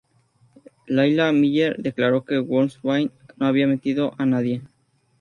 Layla Miller declaró que Wolfsbane no había mentido a nadie.